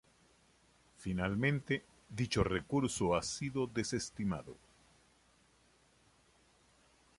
Finalmente, dicho recurso ha sido desestimado.